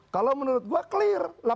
kalau menurut gua clear